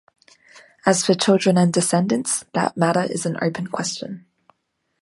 As for children and descendants, that matter is an open question.